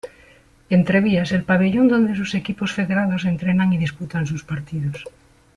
Entrevías el pabellón donde sus equipos federados entrenan y disputan sus partidos.